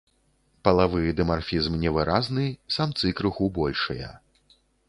Палавы дымарфізм невыразны, самцы крыху большыя.